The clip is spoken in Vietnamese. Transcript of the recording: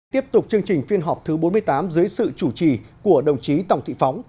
tiếp tục chương trình phiên họp thứ bốn mươi tám dưới sự chủ trì của đồng chí tòng thị phóng